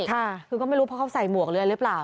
คือก็ไม่รู้เพราะเขาใส่หมวกหรืออะไรหรือเปล่า